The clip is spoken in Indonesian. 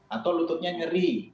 atau lututnya nyeri